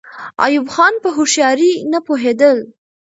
ایوب خان په هوښیارۍ نه پوهېدل.